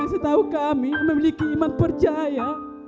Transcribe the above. setahu kami memiliki iman percaya